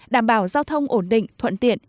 đảm bảo giao thông ổn định thuận tiện